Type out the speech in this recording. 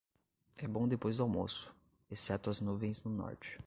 É bom depois do almoço, exceto as nuvens no norte.